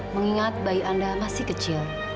mengingat bayi anda masih kecil